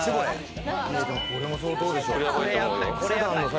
これも相当でしょ。